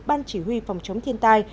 ban chỉ huy phòng chống thiên tai